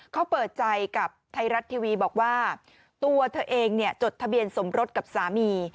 เขาเปิดใจกับไทยรัฐทีวีบอกว่าตัวเธอเองจดทะเบียนสมรสกับสามี